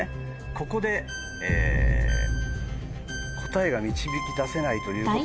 ここで答えが導き出せないということは。